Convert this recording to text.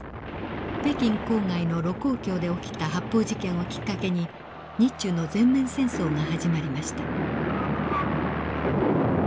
北京郊外の盧溝橋で起きた発砲事件をきっかけに日中の全面戦争が始まりました。